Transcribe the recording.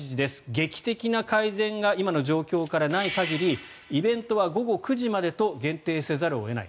劇的な改善が今の状況からない限りイベントは午後９時までと限定せざるを得ない。